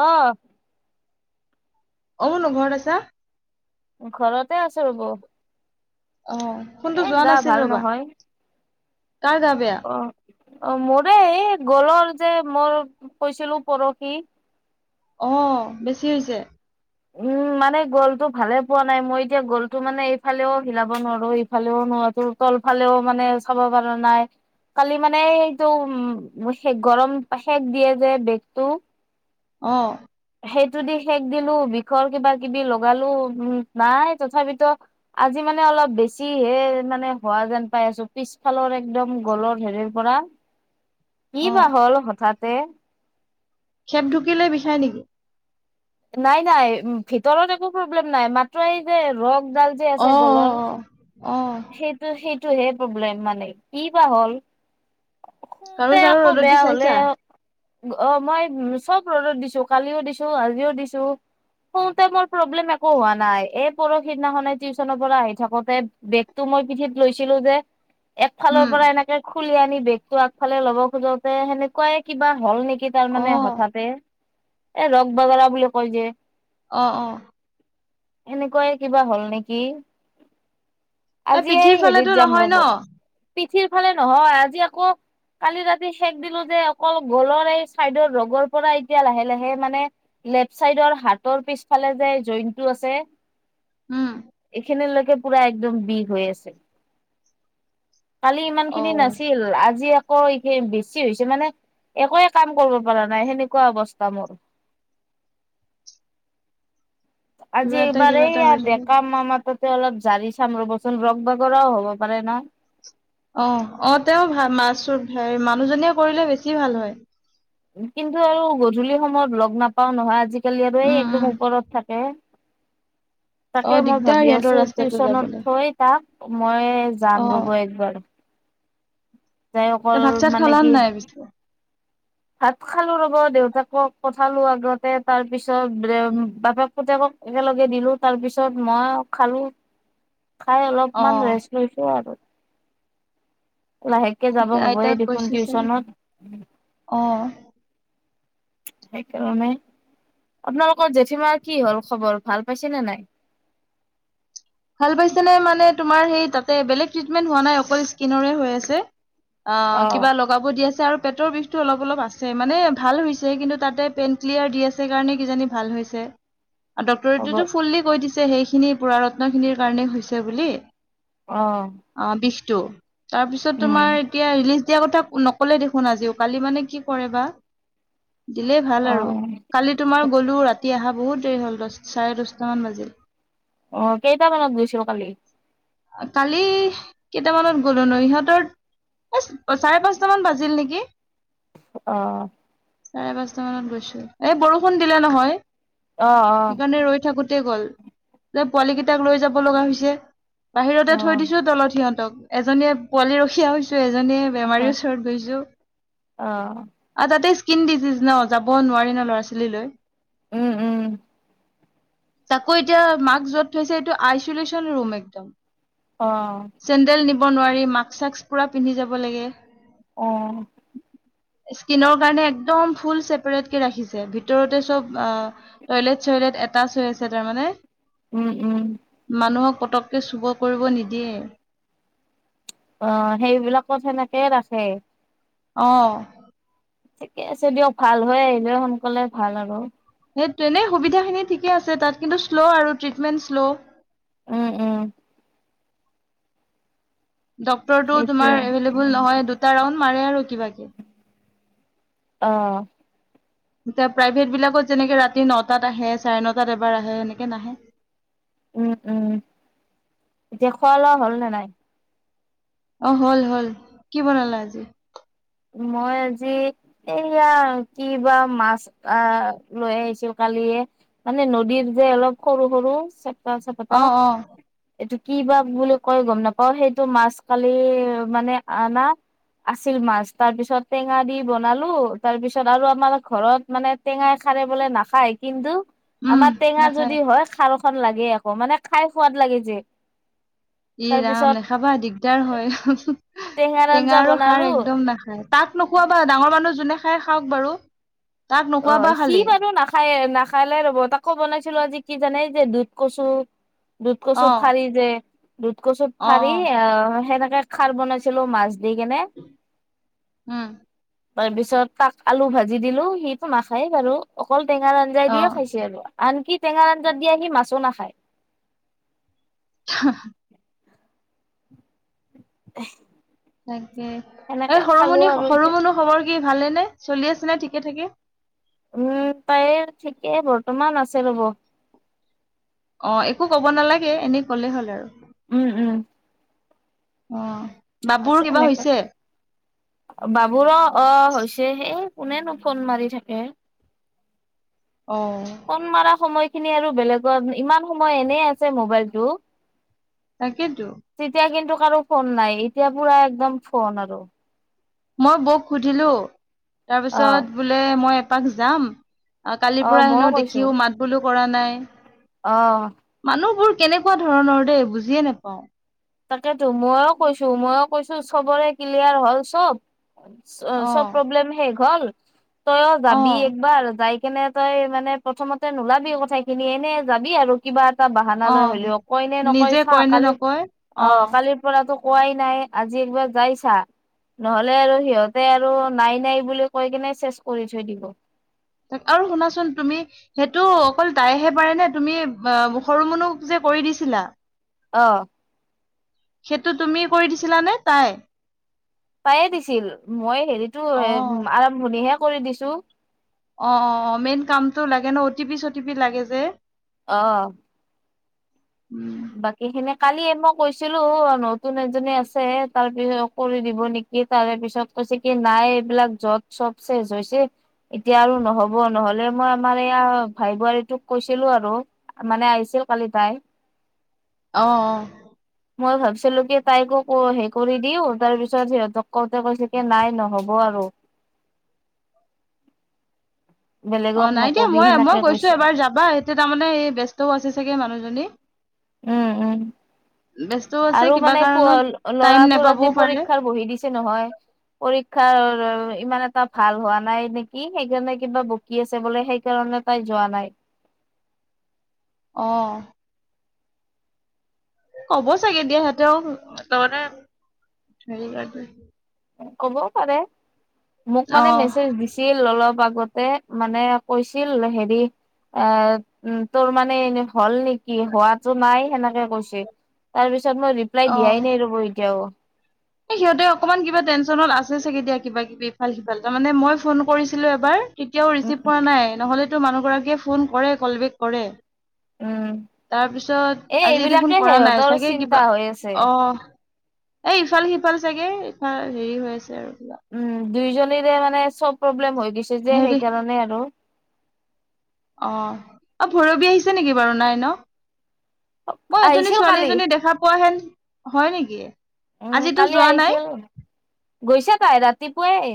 আহ। অ মুনূ ঘৰত আছা। ঘৰতে আছো ৰ'ব। অ সোনটো যোৱা এ গা নাছিল ভাল ৰবা। নহয় কাৰ গা বেয়া। অ' অ মোৰে এই গলৰ যে মই কৈছিলো পৰহি। অ বেছি হৈছে উম মানে গ'লটো ভালে পোৱা নাই মই এতিয়া গ'লটো মানে এইফালেও হিলাব নোৱাৰো ইফালেও তোৰ তল ফালেও মানে চাব পাৰা নাই কালি মানে এইটো উে গৰম পাশেক দিয়ে যে বেগটো অ সেইটো দি শেষ দিলো বিষৰ কিবা কিবি লগালো উম নাই তথাপিতো আজি ম মানে অলপ বেছি হে মানে হোৱা যেন পাই আছো পিছফালৰ একদম গলৰ হেৰিৰ পৰা কি অ বা হ'ল হঠাৎ খেপ ঢুকিলে বিচাই নেকি নাই নাই ভিতৰত একো প্ৰব্লেম নাই মাত্ৰ এই যে অ ৰস অ অ অ গ টো হে প্ৰব্লেম মানে কি বা হ'ল কাৰো শুতে চাৰো আকৌ ৰ'দত দি বেয়া চাইছা হলে অ মই চব ৰডাৰ দিছো কালিও দিছো আজিও দিছো শুওতে মোৰ প্ৰব্লেম একো হোৱা নাই এই পৰহিদিনাখনে টিউশচনৰ পৰা আহি থাকোতে বেগতটো মই পিঠিত লৈছিলো যে একফালৰ উম পৰা এনেকে খুলি আনি বেগতটো আগফালে ল'ব খোজোতে সেনেকুৱাই কিবা হ'ল নেকি তাৰ অ মানে হঠাতে এই ৰক বাগাৰ বুলি কয় যে অ অ এনেকুৱাই কিবা হ'ল নেকি আজিয় পিঠিৰ এই ফালেতো হেৰিত যাম নহয় ন ৰ'ব পিঠিৰ ফালে নহয় আজি আকৌ কালি ৰাতি শেষ দিলো যে অকল গলৰ এই চাইডৰ ৰোগৰ পৰা এতিয়া লাহে লাহে মানে লেফ্ট চাইডৰ হাতৰ পিছফালে যে জইনটো আছে উম এখান লোকে পুৰা একদম বিৰ হৈ আছে কালি ইমান অ খিনি নাছিল আজি আকৌ বেছি হৈছে মানে একোৱে কাম কৰিব পৰা নাই সেনেকুৱা অৱস্থা মোৰ কিবা আজি এটা এইবাৰ কিবা এটা এইয় হৈ থাকে দেকাামামা ত অলপ জাৰি চাম ৰবচোন ৰ বাগৰও হ'ব পাৰে ন অ অ তেওঁ ভ মা হ মানুহজনীয়ে কৰিলে বেছি ভাল হয় কিন্তু আৰু গধূলি সময়ত লগ নাপাও নহয় আজিকালি আৰু এই উম উম একদম ওপৰত থাকে অ তাকে মই দিগদাৰ ভাবি সিহঁতৰ আছো ৰাস্তাটো টিউচনত যাবলৈ থৈ তাক মই যাম অ ৰবো একবাৰ যাই অকল ভাত চাত মানে খালা কি নাই পিছে ভাত খালো ৰব দেউতাকক পঠালো আগতে তাৰ পিছত বাপেক পতি একেলগে দিলো তাৰ পিছত মই খালো খাই অলপমান অ ৰেষ্ট লৈছো আৰু লাহেককে যাব হ'বয়ে আইতাক দেখোন গৈছে চাগে টিউচনত অ সেইকাৰেলানে আপোনালোকৰ জেঠীমাৰ কি হল খবৰ ভাল পাইছে নে নাই ভাল পাই মানে তোমাৰােে হ ন অকল সক আ অ কিবা লগাব দিয়া আৰু পেটৰ বিষতটো অলপ অলপ আছে মানে ভাল হৈছে কিন্তু তাতে পেইন ক্লিয়াৰ দি আছে কাৰণে কিজানি ভাল হৈছে আৰু হ'ব ডটৰেটোো ফুল্লি কৈ দিছে সেইখিনি পু ৰত্ন খিনিৰ কাৰণেই হৈছে বুলি আহ অ বিষটো তাৰপিছত তোমাৰ এতিয়া ৰিলিজ দিয়া কথা নকলে দেখোন আজিও কালি মানে কি কৰে বা। দিলেই ভাল অ আৰু কালি তোমাৰ গলো ৰাতি। ৰাতি অহা বহুত দেৰি হ'ল দহ চাৰে দহটা মান বাজিল। অ' কেইটামানত গৈছিল কালি কালি কেইটামানত গলো ন ইহঁতৰ, চাৰে পাঁচট মান বাজিল নেকি? অহ। চাৰে পাঁচটা মানত গৈছো এই বৰষুণ দিলে নহয় অ সেইকাৰণে ৰৈ থাকোতে গল যে পোৱালি কেইটাক লৈ যাব লগা হৈছে বাহিৰতে অ থৈ দিছো অ তলত সিহঁত। এজনীয়ে পোৱালি ৰখিযা হৈছে এ বেমাৰীৰ ওচৰত গৈছো অ আ তাতে। স্কিন ডিজিজ ন যাব নোৱাৰি ন ল'ৰা ছোৱালীলৈ। উম-উম। তাকো এতিয়া মাক্ক যত থৈছে এইটো আইচলেচন ৰুম একদম। অহ, যাব নোৱাৰি মাকস সক্স পুৰা পিন্ধি যাব লাগে। অহ, স্কিনৰ কাৰণে একদম ফুল চছেপট কে ৰাখিছে ভিতৰতে চব টইলেত। চৈলত এটা চৰি আছে তাৰমানানে। উম উম মানুহক পটককৈ চুবৰ কৰিব নিদিয়ে। অ' সেইবিলাকত সেনেকে ৰাখে। অহ, ঠিকে আছে দিয়ক ভাল হৈ আহিলে সোনকালে ভাল আৰু। সেই তেনেই সুবিধাখিনি ঠিকে আছে তাত কিন্তু শ্ল' আৰু ট্ৰিটমেণ্ট শ্ল'। উম-উম। ডক্তৰটো তোমাৰ সেইটোৱে এভেইলেবল নহয় দুটা ৰাউণ্ড মাৰে আৰু কিবাকে অহ এয়া প্ৰাইভেট বিলাকত যেনেকে ৰাতি নটাত আহে চাৰে নটাত এবাৰ আহে সেনেকে নাহে। [inaudible] উম-উম, এতিয়া খোৱা লোৱা হ'ল নে নাই। অ' হল-হল কি বনালা আজি? মই আজি এয়া কি বা মাছ অহ লৈ আহিছিল কালি। মানে নদীৰ যে অলপ সৰু সৰু চেপা চেপটা। অ অ এইটো কি বা বুলি কয় গম নাপাও সেইটো মাছ কালি মানে আনা। আছিল মাছ। তাৰ পিছত টেঙা দি বনালো তাৰ পিছত আৰু আমাৰ ঘৰত মানে টেঙাই খাৰে বলে নাখায়। কিন্তু উম আমাৰ টেঙা নাখায় যদি হয় খাৰ খ লাগেই আকৌ মানে খাই সোৱাদ লাগে যে। তাৰ ই ৰাম পিছত নাখাবা দিগদাৰ হয় টেঙাৰ টেঙা আঞ্জা আৰু খাৰ বনালো একদম নাখ। তাত নোখোৱাাবা ডাঙৰ মানুহ যোনে খাই খাওক বাৰু। তাক নোখোৱাবা অ' সি খালি বাৰু নাখায় নাখালে ৰ'ব তাকো বনাইছিলো আজি। কি জানে যে দুধ কচু দুধ কচু অ থাৰি যে। দুধ কচুত ফাৰি অ' সেনেকে খাৰ বনাইছিলো মাছ। দি কেনে উম, তাৰ পিছত তাক আলু ভাজি দিলো সিটো নাখায় বাৰু অকল টেঙাৰ আঞ্জাই অ দিয়ে খাইছে আৰু। আনকি টেঙা আঞ্জাত দিয়া সি মাছো নাখায়। হা [inaudible] এই [inaudible] তাকে এই সৰু মনি আৰু সৰু এতিয়া মুনু খবৰ কি? কি ভালে নে চলি আছে নে ঠিকে থাকে। উ'ম তাইৰ ঠিকেই বৰ্তমান আছে ৰ'ব। অ', একো কব নালাগে, এনেই কলে হ'ল আৰু। উ'ম, উ'ম। অ'। বাবুৰ আছে কিবা এনেকা হৈছে বাবুৰ অ' হৈছে, সেই কোনেনো ফোন মাৰি থাকে, অ ফোন মাৰা সময়ত খিনি আৰু বেলেগত ইমান সময় এনেই আছে মোবাইলতটো। তাকেইতো তেতিয়া কিন্তু কাৰো ফোন নাই, এতিয়া পুৰা একদম ফোন আৰু মই বৌক সুধিলো অ তাৰপিছত বোলে মই এপাক যাম। কালিৰ অ পৰা মইও হেনো কৈছো দেখিওঁ মাত বোলও কৰা নাই। অ'। মানুহবোৰ কেনেকুৱা ধৰণৰ দেই বুজিয়ে নাপাও। তাকেতো মইও কৈছো ময়ো কৈছো চবৰে ক্লিয়াৰ হল চব। অ চব প্ৰব্লেম শেষ হ'ল। তইওঁ যাবি অ', একবাৰ যাই। যায় কেনে তই মানে প্ৰথমতে নোলাবি কথা- খিনি এনে যাবি আৰু কিবা। বাহানালৈ অ', হ'লিও কয় নে নকয় নিজে চা, কয় নে কালি নকয় অ', কালিৰ পৰা তো কোৱাই নাই আজি একবাৰ যাইছা। নহলে আৰু সিহঁতে আৰু নাই, নাই বুলি কৈ কিনে চেচ কৰি থৈ দিব। ত আৰু শুনাচোন তুমি সেইটো অকল তাইহে পাৰে নে তুমি অ সৰু মুনুক যে। কৰি দিছিলা। অ'। সেইটো তুমি কৰি দিছিলা নে তাই? তাইয়ে দিছিল মই হেৰিতো অ', আৰম্ভণিহে কৰি দিছো। অ', অ', অ' মেইন কামটো লাগে ন অ' টি পি চটি পি লাগে যে। অ'। উম, বাকী খিনি। কালিয়ে মই কৈছিলো নতুন এজনী আছে তাৰ পিছত কৰি দিব নেকি? তাৰে পিছত হৈছে কি নাই? এইবিলাক যপ চপ চেছ হৈছে। এতিয়া আৰু নহ'ব নহলে মই আমাৰ এইয়া ভাই বোৱাৰীটোক কৈছিলো আৰু মানে আহিছে। কালি তাই। অ', অ'। মই ভাবিছিলো কি তাইকো হে কৰি দিওঁ। তাৰ পিছত সিহঁতক কওঁতে কৈছে কি নাই নহ'ব আৰু। [unintelligible] অ', বেলেগক নাই দিয়া নকবি মই মই সেনেকে গৈছো কৈছে এবাৰ যাবা এতিয়া তাৰমানে এই ব্যস্তও আছে চাগে মানুহজনী। উ'ম, উ'ম। ব্যস্তও আছে আৰু কিবা মানে প কাৰণত টাইম ল'ৰাটোৰ নোপাবও আজি পাৰে পৰীক্ষাৰ বহি দিছে নহয়। পৰী পৰীক্ষা ইমান এটা ভাল হোৱা নাই নেকি? সেইকাৰণে কিবা বকি আছে বোলে সেইকাৰণে তাই যোৱা নাই। অ'। কব চাগে দিয়া সিহতেও তমানে হ ক'বও পাৰে মোক মানে অ', মেছেজ দিছিল, অলপ আগত তে মানে কৈছিল হেৰি এ! উ'ম তোৰ মানে হল নেকি হোৱাতটো নাই? সেনেকে কৈছে তাৰ পিছত তাৰ পিছত ৰিপ্লাই অ', দিয়াই নাই ৰব এতিয়াও। সিহঁতে অকমান কিবা টেনশচনত আছে চাগে দিয়া। কিবা- কিবি ইফাল, সিফাল তাৰ মানে মই ফোন কৰিছিলো এবাৰ। কেতিয়াও ৰিচিভ উম কৰা নাই নহ'লেতো, মানুহগৰাকীয়ে ফোন কৰে কলবেক কৰে। উম তাৰপিছত এ আজি এইবিলাকে দেখোন কৰা নাই সিহঁতৰ চাগে চিন্তা কিবা হৈ আছে অ'হ। এ! ইফাল, সিফাল চাগে [inaudible] হেৰি হৈ আছে আৰু কিবা উ'ম দুইজনীৰে মানে চব প্ৰব্লেম হৈ গৈছে যে হেৰি সেইকাৰণে আৰু। অ' এ ভৈৰৱী আহিছে নেকি বাৰু নাই ন'। মই এজনী আহিছিল ছোৱালী কালি এজনী দেখা পোৱা হেন, হয় নেকি? উম, আজিতো কালি যোৱা নাই আহিছিল গৈছে তাই ৰাতিপুৱাই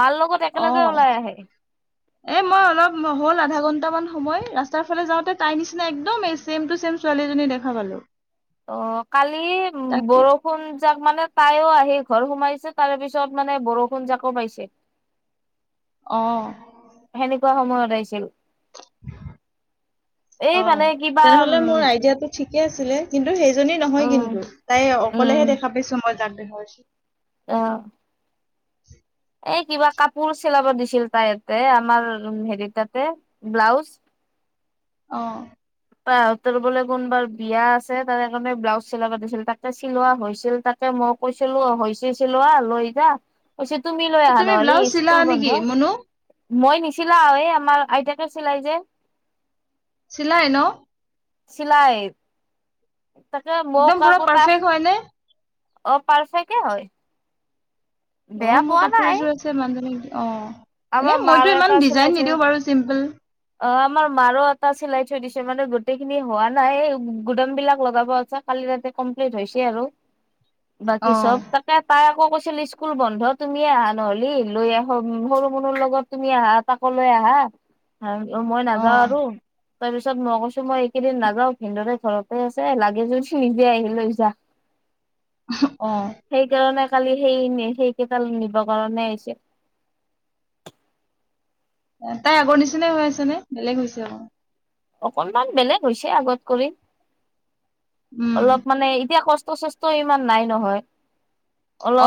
মাৰ লগত একেলগে অ', ওলাই আহে। এ মই অলপ হ'ল আধা ঘন্টা মান সময় ৰাস্তাৰ ফালে যাওঁতে তাইৰ নিচিনা একদম এ ছেম টু চেম ছোৱালী। দেখা পালো। অ' কালি উ তাকে বৰষুণ যাক মানে তাইও আহি ঘৰ সোমাইছে তাৰ পিছত মানে বৰষুণ জাকো পাইছে। অ'হ। সেনেকুৱা সময়ত আহিছিল এই অ মানে কিবা তেনেহলে মোৰ উম'। আইডিয়াটো ঠিকে আছিলে কিন্তু সেইজনী নহয় উম কিন্তু তাই অকলেহে দেখা পাইছো মই যাক দেখা পাইছো। অহ। [inaudible] এই কিবা কাপোৰ চিলাব দিছিল তাই এতে আমাৰ হেৰি তাতে ব্লাউজ। অ'। তাহঁতৰ বোলে কোনবাৰ বিয়া আছে তাৰে কাৰণে ব্লাউজ চিলাবা দিছিল। তাকে চিলোৱা হৈছিল তাকে। মই কৈছিলো অ' হৈছেছিলো আ লৈ যা পিছে তুমি লৈ আহা নহ'লি ব্লাউজ চিলা স্কুল নেকি বন্ধ। মুনু মই নিচালাও এই আমাৰ আইতাকে চিলাই যে চিলায় ন'। চিলাই তাকে মৌ একদম পুৰা কাকো তাত পাৰফেক্ট হয় নে অ' পাৰফেকে হয়। অ' বেয়া মোৰ পোৱা কাপোৰ, নাই এযোৰ আছে মানজনীক দি অ'। আমাৰ এনে মাৰো মইতো এটা ইমান চিলাই ডিজাইন থৈ নিদিও বাৰু চিম্পুল। অ' আমাৰ মাৰো এটা চিলাই থৈ দিছে মানে গোটেইখিনি হোৱা নাই। এই গুদাম বিলাক লগাব আছে কাটি তাতে কমপ্লিত হৈছে আৰু অ বাকী চব তাকে তাই আকৌ কৈছিল স্কুল বন্ধ তুমিয়ে আহা নহ'লি লৈ আহো, সৰু সৰুৰ লগত তুমি আহা তাকো লৈ আহা মই অ নাযাওঁ আৰু তাৰ পিছত ম কৈছো মই একেইদিন নাযাও, ভিনদৰে ঘৰতে আছে লাগে যদি নিজে আহি লৈ যা। অহ অ'। সেইকাৰণে কালি সেই সেইকেটা নিব কাৰণে আইছি। তাই আগৰ নিচিনাই হৈ আছে নে বেলেগ হৈছে অকণমান। অকনমান বেলেগ হৈছে আগত কৰি। উম, অলপ মানে এতিয়া কষ্ট-চষ্ট ইমান নাই নহয়।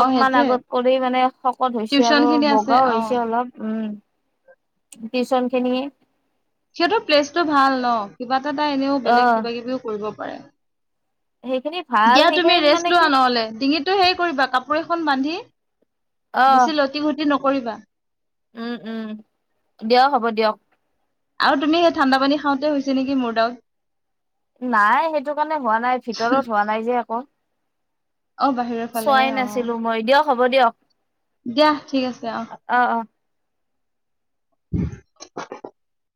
অ' সেইটোয়ে আগত কৰি মানে শকত হৈছে টিউচন আৰু খিনি আছে বগাও হৈছে অ' অলপ উম'। টিউচন খিনি সিহঁতৰ প্লেচটো ভাল ন কিবা এটা এটা এনেও বেলেগ অ কিবা কিবিও কৰিব পাৰে। সেইখিনি ভাল দিয়া তুমি সেইখিনিত মানে ৰেষ্ট কি লোৱা নহ'লে, ডিঙিতটো হেৰি কৰিবা কাপোৰ এখন বান্ধি বেছি লটি-ঘটি নকৰিবা। উম-উম দিয়ক হ'ব দিয়ক। আৰু তুমি সেই ঠাণ্ডা পানী খাওঁতে হৈছে নেকি মোৰ দাউত। নাই সেইটো কাৰণে হোৱা নাই ভিতৰত হোৱা নাই যে আকৌ অ' বাহিৰৰ ফালেহে চোৱাই অ' নাছিলো মই দিয়ক হ'ব দিয়ক। দিয়া ঠিক আছে অহ। অ অ [inaudible]